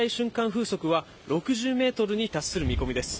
風速は６０メートルに達する見込みです。